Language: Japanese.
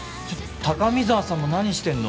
高見沢さんも何してんの？